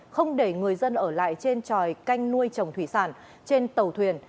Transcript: không để người dân ở lại trên tròi canh nuôi trồng thủy sản trên tàu thuyền